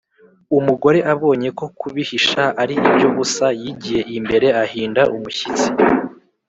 umugore abonye ko kubihisha ari iby’ubusa, yigiye imbere ahinda umushyitsi,